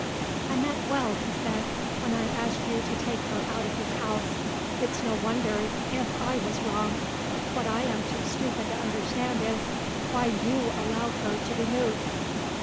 "I meant well," he said, "when I asked you to take her out of this house. It's no wonder if I was wrong. What I am too stupid to understand is why you allowed her to be moved."